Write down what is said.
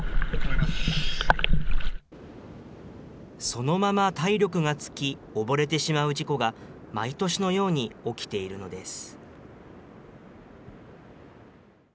そのまま体力が尽き、溺れてしまう事故が毎年のように起きているのです。